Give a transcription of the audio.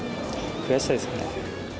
悔しさですね。